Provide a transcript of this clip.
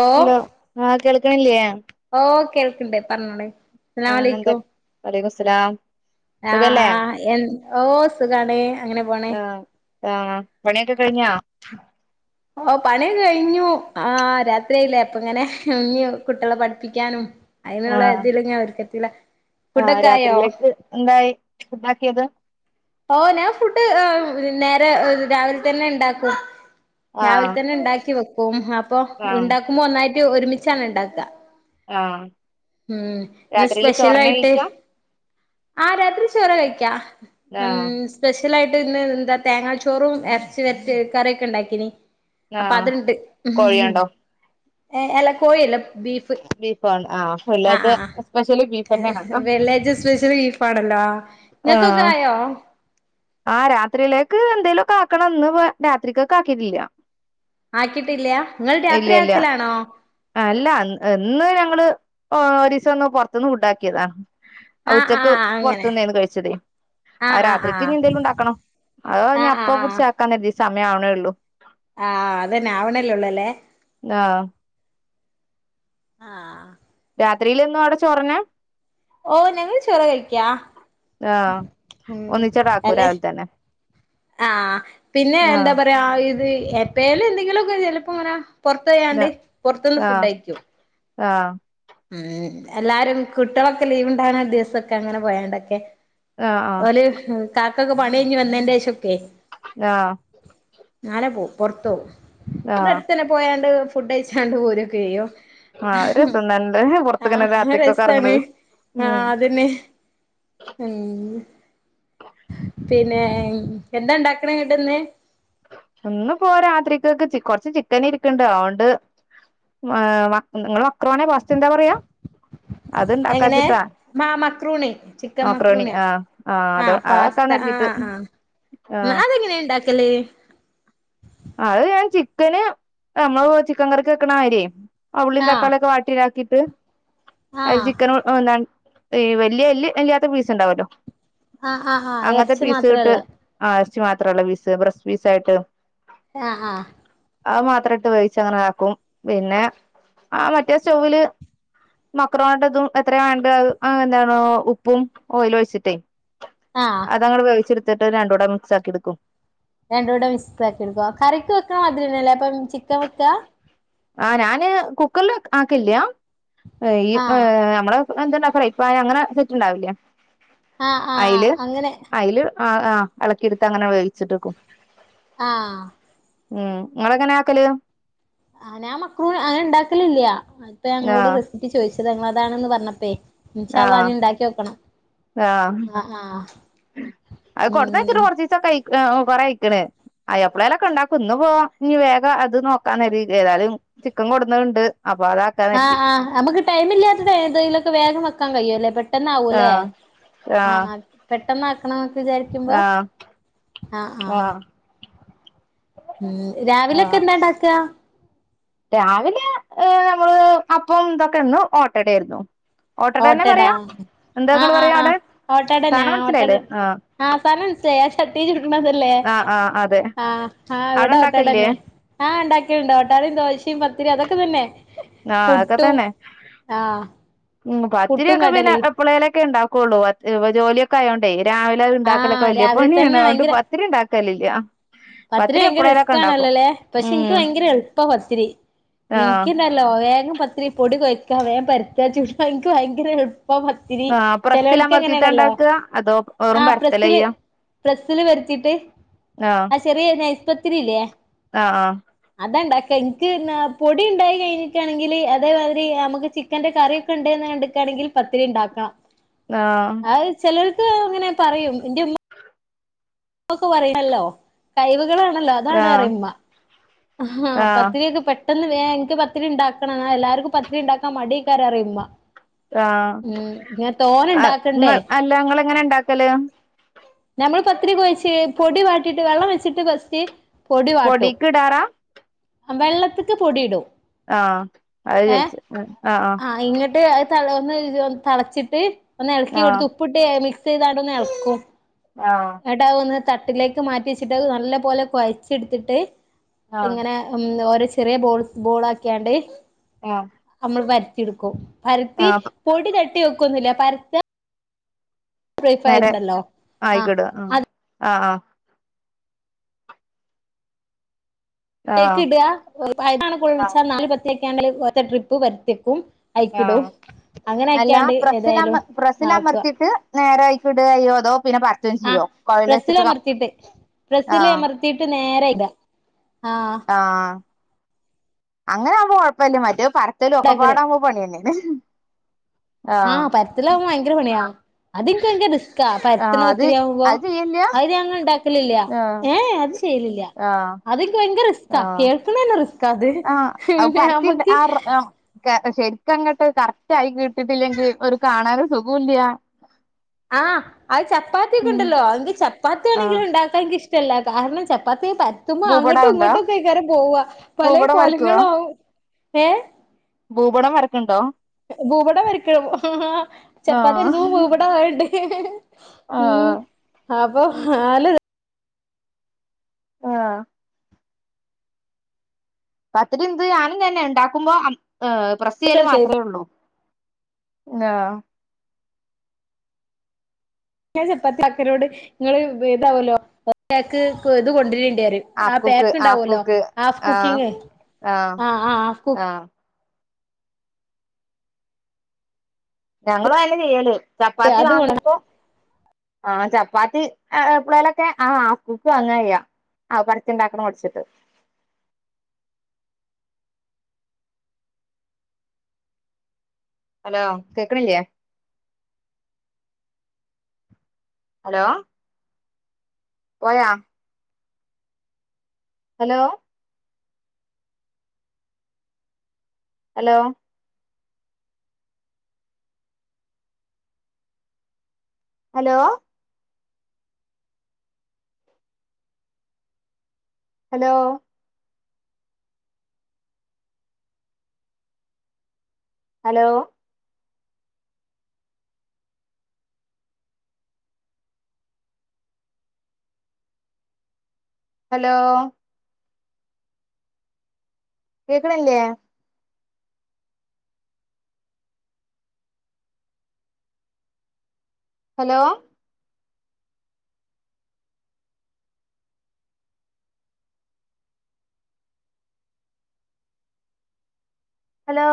ഓ hello ആഹ് കേൾക്കാൻല്ലേ ഓ കേൾക്ക്ണ്ട് പറഞ്ഞോളീ ആഹ് എന്ത വലൈക്കുസ്സലാം ആഹ് ആഹ് എൻ ഓ സുഖാണ് അങ്ങനെ പോണ് ആഹ് ആഹ് പണിയൊക്കെ കഴിഞ്ഞോ ഓ പണിയൊക്കെ കഴിഞ്ഞു ആഹ് രാത്രിയില്ലേ അപ്പങ്ങനെ ഇഞ്ഞ് കുട്ടിയേളെ പഠിപ്പിക്കാനും അതിനുള്ള ആഹ് ഇതിലങ്ങനെ ഒരിക്കത്തിലാ ആഹ് രാത്രിയിലേക്ക് എന്തായി ഫുഡാക്കിയത് ഓ ഞാൻ ഫുഡ് നേരെ രാവിലെ തന്നെണ്ടാക്കും. രാവിലെ ആഹ് തന്നെണ്ടാക്കി വെക്കും ആഹ് അപ്പൊണ്ടാക്കുമ്പോ ഒന്നായിട്ട് ഒരുമിച്ചാണ് ണ്ടാക്ക. ആഹ് ഉം ഇന്ന് രാത്രിയില് ചോറന്നെ സ്പെഷ്യലായിട്ട് കഴിക്കാ ആ രാത്രി ചോറാ കെഴിക്കാ ഉം ആഹ് സ്പെഷ്യലായിട്ട്ന്ന്ന്താ തേങ്ങാച്ചോറും എറച്ചി വരറ്റിത് കറിയൊക്കെ ണ്ടാക്കിനി. അപ്പൊ ആഹ് അത്ണ്ട് ഉം കോഴിയുണ്ടോ അല്ല കോഴില്ല ബീഫ് ബീഫോ ആഹ് ആഹ് വെള്ളിയാഴ്ച ആഹ് സ്പെഷ്യല് ബീഫ് തന്നെയാണല്ലോ വെള്ളിയാഴ്ച സ്പെഷ്യല് പാടല്ലാ ആഹ് ആ രാത്രിയിലേക്ക് എന്തേലോകെ ആക്കണംന്ന് രാത്രിയ്ക്ക് ആക്കിയിട്ടില്ല. ആക്കിട്ടില്ലാ നിങ്ങൾ ഇല്ല രാത്രി ഇല്ല ആക്കലാണോ? അല്ല ഇന്ന് ഞങ്ങള് ഒരീസൊന്ന് പൊറത്ത്ന്ന് ഫുഡാക്കിയതാ. ആഹ് ആഹ് അങ്ങനെ. ത്തുന്നേന്നു കഴിച്ചതേ ആ ആഹ് ആഹ് രാത്രിക്ക് ആഹ് ഇനി എന്തേലും ഉണ്ടാക്കണം ആഹ് ആഹ് അതോഞ്ഞപ്പ ആഹ് പുടിച്ചാക്കാന്നര്തി സമയാവ്ണേള്ളൂ. ആഹ് അതന്നെ ആവണല്ലേള്ളു അല്ലേ ആഹ് ആഹ് രാത്രിയില്ന്നും അവടെ ചോറെന്നെ ഓ ഞങ്ങള് ചൊറ് കഴി ആഹ് ഒന്നിച്ചടാക്കൂ അല്ലെ രാവിലെ തന്നെ ആഹ് പിന്നെ ആഹ് എന്താ പറയാ ഇത് എപ്പേലും എന്തെങ്കിലൊക്കെ ചെലപ്പൊങ്ങനെ പൊറത്തോയാണ്ട് പൊറത്ത്ന്ന് ആഹ് ഫുഡയിക്കും. ആഹ് ഉം എല്ലാരും കുട്ടികളൊക്കെ ലീവ്ണ്ടാണ് ദിവസൊക്കെ അങ്ങനെ പോയണ്ടൊക്കെ ആഹ് ഓല് കാക്കക്കെ പണി കഴിഞ്ഞ് വന്നതിന് ശേഷൊക്കെ ആഹ് നാലെ പോവും പൊറത്ത് ആഹ് പോവും പോയാണ്ട് ഫുഡ് കഴിച്ചാണ്ട് പോരൊക്കെ ചെയും ആഹ് രസം തന്നെ പുറത്ത്ങ്ങനെ ആഹ് രാത്രിക്കൊക്കെ രസാണ് ഇറങ്ങണത് ഉം ആഹ് അതന്നെ [unintelligible] പിന്നെ എന്താ ഉണ്ടാക്കണെ എന്നിട്ട് ഇന്ന് ഇന്ന്പ്പൊ രാത്രിക്കക്ക് കൊറച്ച് ചിക്കനിരിപ്പൊണ്ട് അതോണ്ട്- നിങ്ങ മക്രോണി പാസ്ത എന്താ പറയാ- അത് എങ്ങനെ ഇണ്ടാക്കാച്ചിട്ടാ മാ മക്രൂണി ചിക്കൻ മക്രോണി മക്രൂണിയ ആഹ് അത് ആഹ് പാസ്ത അതാക്കാന്ന് കരുതിട്ട് ആഹ് ആഹ് ആഹ് അതെങ്ങനെ ഉണ്ടാക്കല് അത് ഞാൻ ചിക്കന് നമ്മള് ചിക്കൻ വറ്ത്ത് വെക്കണ മാതിരി ആഹ് ഉള്ളീം തക്കാളീം ഒക്കെ വാട്ടിയിലാക്കിയിട്ട് അത് ആഹ് ചിക്കനും- ഈ വലിയഎ ല്ല് അല്ലാത്ത പീസ് ഉണ്ടാവല്ലോ ആഹ് ആഹ് അങ്ങനത്തെ എറച്ചി പീസ് ഇട്ട് മാത്രള്ള ആ ഇറച്ചി മാത്രള്ള ഫീസ് ബ്രസ്റ്റ് പീസായിട്ട് ആഹ് ആഹ് അത് മാത്ര ഇട്ട് വേവിച്ച അങ്ങനെ ആക്കും പിന്നെ ആ മറ്റേ സ്റ്റോവില് മക്രോണിട്ടതും എത്രയാ വേണ്ട എന്താണോ ഉപ്പും ഓയിൽ ഒഴിച്ചിട്ടേ ആഹ് അതങ്ങ്ട് വേവിച്ചെടുത്തിട്ട് രണ്ടൂടെ മിക്സാക്കിടുക്കും- രണ്ടും കൂടെ വി സ് ആക്കി എടുക്കുക കറിക്ക് വെക്കാൻ മാതിരിന്ന ല്ലേ അപ്പം ചിക്കൻ വെക്ക ആ ഞാന് കുക്കറിൽ ആക്കില്ല ഈ ആഹ് നമ്മള എന്ത്ണ്ടാ പറ ഫ്രെപാന അങ്ങനെ സെറ്റ് ഉണ്ടാവില്ലേ ആഹ് ആഹ് അതില് അങ്ങനെ അതില് ആഹ് ആഹ് ഇളക്കിെടുത്ത് അങ്ങനെ വേവിച്ചിട്ടിക്കും ആഹ് ഉം നിങ്ങെളങ്ങാ നെ ആക്കല് ആനെ ആ മക്റൊ ണ അങ്ങനെ ഞാൻ ഉണ്ടാക്കലില്ല അപ്പ ഞങ്ങളോട് ആഹ് റെസിപ്പി ചോയിച്ചത് ങ്ങള അതാണന്ന്പറഞ്ഞപ്പോളേ പറഞ്ഞപ്പേ ഇന്ഷാ അല്ലാഹ് ആഹ് ഇനി ഉണ്ടാക്കി നോ ക്കണം ആഹ് അത് ഉം കൊടുന്നയച്ചിട്ട കൊറചീസൊക്കെ കൊറെ കഴിക്കണ് അ എ പ്പളെലൊക്കെ ഉണ്ടാക്കും ഇന്ന് പോ ഇനി വേഗം അത് നോക്കാന്ന്‌ കരുതി ഏതായാലും ചിക്കൻ കൊടുന്നത് ണ്ട് അപ്പൊ അത ആഹ് ആഹ് നമുക്ക് ടൈംമില്ലാത്തലൊക്കെ വേഗം വക്കാൻ കഴിയുമ അല്ലേ പെട്ടെന്ന ആവൂലേ ആഹ് ആഹ് ആഹ് പെട്ടെന്ന ആക്കണം എന്നൊക്കെ വിചാരിക്കുമ്പോ ആഹ് ആഹ ആഹ് ഉം രാവിലെക്കെ ആഹ് എന്താണ്ടാക്ക രാവിലെ നമ്മള് അപ്പം ഇതൊക്കെ ഇന്ന് ഓട്ടടായിരുന്നു ഓട്ടട്ട തന്നെ ഓട്ടടാ പറയാ എന്താങ്കൾ ആഹ് പറയാ ആഹ് ആഹ് അവിടെ ഓട്ടടന്നാ സാധനം ഓട്ടട മനസ്സിലായില്ലേ ആഹ് ആഹ് സഥനമനസ്സിലായി ആ ചട്ടീ ചുടുക്കണതല്ലേ ആഹ് ആഹ് അതെ ആഹ് ആഹ ഇവിട അവടെ ഇണ്ടാക്കലില്ലേ ഒട്ടടന്നെ ആഹ് ഉണ്ടാക്കിയുണ്ടണ്ട്ഓ ട്ടാടയും ദോശ ത്തിരി അതൊക്കെ തന്നെ പു ട്ടും ആഹ ഉ പത്തിരിക്കെ പിന്നെ എപ്പളേലൊക്കെ ഉണ്ടാക്കുള്ളൂ ജോലിയൊക്കെ യോണ്ടേ രാവിലെ അത് ഉണ്ടാക്കലൊക്കെ ആഹ് വലയ രാവിലെ പണിയാണ് തന്നെ അ തുകൊണ്ട് ഭയങ്കര പത്തിരി ഉണ്ടാക്കലില്ല പത്തിരി ഭയങ്കര റിസ്ക്ണല്ലോല്ലേ പക്ഷെ എനിക്ക് ഉം ഭയങ്കര എളുപ്പാ പത്തിരി ആഹ് എനിക്ക് എന്ത ല്ലോ വേഗം പത്തി രി പൊടി കൊഴയ്ക്ക വേൻ പരത്താ ചൂടാ എക്ക് ഭയങ്കര എളുപ്പം ത്തി രി ആഹ് ചെലല്ക്ക് പ്രസ്സിലമർത്തിട്ടാ എങ്ങനെയാണല്ലോ ഇണ്ടാക്ക അതോ വെറും ആഹ പരത്തലാ പ്രസില് ചെയ്യാ ബ്രസ്സില് വരുത്തിട്ട് ആഹ് ആ ചെറിയനൈ സ്പത്രി ഇല്ലേ ആഹ് അതാണ്ടാക്ക എനിക്ക് പൊടി ഉണ്ടായി കഴിഞ്ഞിട്ടാണെങ്കിൽ അതേമാതിരി നമുക്ക് ചിക്കന്റെ കറിക്കെ ഉണ്ട്ന്ന് കണ്ടാക്കാണെങ്കിൽ പത്തിരി ഉണ്ടാക്കാം ആഹ് അത് ചിലർക്ക് അങ്ങനെ പറയും എൻ്റെ ഉമ്മക്കെ പറയല്ലോ കഴിവുകൾ ആണല്ലോ അതാണന്ന് ആഹ് പറയും ഉമ്മ ആഹ് പത്തിരിയൊക്കെ പെട്ട പെട്ടെന്ന് വേ എനിക്ക് പത്തിരി ഉണ്ടാക്കണം എല്ലാവർക്കും പത്തിരി ഉണ്ടാക്കാൻ മടിയക്കാരാ എന്ന് പറയും ഉമ്മ ആഹ് ഉം ഞാൻ തോന ആഹ് ഉണ്ടാക്കണ്ടേ ഇങ്ങൾ അല്ല നിങ്ങള് എങ്ങനെയാ ഉണ്ടാക്കല് ഞമ്മൾ പത്രി കൊഴച്ച് പൊടി വാട്ടിട്ട് വെള്ളം വെച്ചിട്ട് ഫസ്റ്റ് പൊടി വാട്ടും പൊടീക്ക് ഇടാറാ വെള്ളത്തിക്ക് പൊടി ഇടും ആഹ് അതാ ചേദിച്ച ആഹ് ആഹ് ആഹ് ഇങ്ങിട്ട് ഒന്ന് ത തിളച്ചിട്ട് ഒന്ന് ആഹ് ഇളക്കിവിടുത്ത് ഉപ്പിട്ട് മിക്സ് ചെയ്തു കൊണ്ട് ഒന്ന് ഇളക്കും ആഹ് എന്നിട്ട് അത് ഒന്ന് തട്ടിലേക്ക് മാറ്റി വെച്ചിട്ട് അത് നല്ല പോലെ കുഴച്ചെടുത്തിട്ട് ആഹ് ഇങ്ങനെ ഉം ഓരോ ചെറിയ ബോൾ ബോൾസ് ആക്കിയാണ്ട് ആഹ് നമ്മള് പരത്തി എടുക്കും പരത്തി ആഹ് പൊടി തട്ടി വെക്ക ഒന്നുല്ല പരത്ത നേരെ ണ്ടല്ലോ ആഹ് അയിക്കോട്ടതാ ആ ആ ആ അതിലേക്ക് ആഹ് ഇട വൈകിട്ടാണ് ആഹ് പുഴുങ്ങിയച്ചാ [unintelligible] ഒറ്റ ട്രിപ്പ് പര്ത്തിയക്കും ആ അല്ലാ പ്രസ്സില അമ ഏതായാലും പ്രസ്സില ആക്കുക അമർത്തിട്ട് നേര അയിക്ക്ട ചെയോ അതോ പിന്നെ പര് ആ പ്രസ്സില അമർത്തിയിട്ട് പ്രസ്സില് ആഹ് അമർത്തിയിട്ട് നേരെ അയ്ക് ഇടാ ആ ആ അങ്ങന ആവുമ്പോ കൊഴപ്പല്ല മറ്റേ പര് ത്തലും ഒക്ക പാട ആഹ് ആവുമ്പം പണിയേന്നെണ് ആ പര്ത്തലാവുമ്പം ഭയങ്കര പണിയാ അത് ഇൻക്ക് വല്യ റിസ് കാ പര്ത്ത്ണ ആഹ് അത് പത്തിരിയാവുമ്പോ അത് ചെയ്യല്ല അയിന് ഞങ്ങൾ ഇണ്ട ഇല്ലല്ല്യ ആഹ് ഏ ഏ അത് ചെയ്യലില്ല ആഹ് അത് ഇൻക് ഭയങ്കര റിസ്ക്കാ ആഹ് കേൾക്ക്ണന്നെ റിസ് ക്കാ അത് പിന നമ്മക്ക് ശരിക്കങ്ങട്ട് കറക്റ്റ് ആയി കിട്ടിട്ടില്ലെങ്കി ഒരു കാണാനും സുഖു ഇല്ല്യ ആ അത് ചപ്പാത്തി ഒക്ക ഉം ഇണ്ടല്ലോ എന്ത് ചപ്പാത്തി ആഹ് ആണെങ്കിലും ഇണ്ടാ ണ്ടങ്കി ഇഷ്ടല്ല കാരണം ചപ്പാത്തി പര് ത്തുമ്പം അങ്ങട്ടും ഭൂപടം ഉണ്ടോ ഇങ്ങോട്ടും ഒക്കെ അഴിക്കാരം പോവ പലെ ഭൂപടം വരക്കുവോ കോലങ്ങളും ആവും ഏ ഭൂപടം വര്ക്ക്ണ്ടോ ഭൂപടം വര്ക്കും ചപ്പാത്തി ആഹ് വരച്ചപ്പോ ഭൂപടം ആയിട്ട് ഉം ആഹ് അപ്പൊ ആല്ല ര ആ പത്തിരി എന്ത് ഞാനും ഇതന്നെ ഇണ്ടാക്കുമ്പോ പ്രസ്സ് ചെയ്യല് രസാ മാത്രെ ഒള്ളു ലോ ഞാൻ ചപ്പാത്തി ആക്കനോട് ഇങ്ങള് ഇതാവോല്ലോ ഒരാക്ക് ഇത് കൊണ്ട്രണ്ടി പറിം ആ ഹാഫ് കുക്ക് പെക്ക് ഹാഫ് ഇണ്ടാവോല്ലോ കുക്ക് ഹാഫ് ആഹ് കുക്കിംഗ് ആഹ് ആ ആ ഹാഫ് കുക് ആഹ് ഞങ്ങളു അതന്നെ ചെയ്യല് ചപ്പാത്തി അത് കൊ വാങ്ങുമ്പോ ആ ചപ്പാത്തി എപ്പളേലൊക്കെ ആ ഹാഫ് കുക്ക് വാങ്ങ ചെയ്യാ അത് പര്ത്തി ഇണ്ടാക്ക്ണ മട്ച്ചിട്ട് ഹലോ കേക്ക്ണില്ല്യെ ഹലോ പോയാ hello hello hello hello hello hello കേക്ക്ണില്ല്യെ ഹലോ ഹലോ